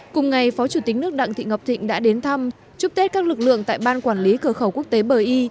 cùng ngày phó chủ tịch nước đặng thị ngọc thịnh đã đến thăm chúc tết các lực lượng tại ban quản lý cửa khẩu quốc tế bờ y